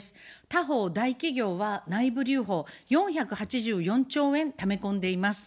他方、大企業は内部留保を４８４兆円ため込んでいます。